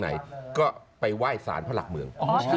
อ๋อที่แรกที่อาจารย์ไปคือสารพระหลักเมือง